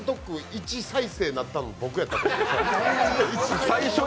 １再生になったのは僕だと思います。